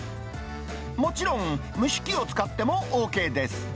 もちろん、蒸し器を使ってもＯＫです。